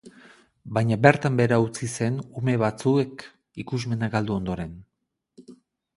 Baina bertan behera utzi zen ume batzuek ikusmena galdu ondoren.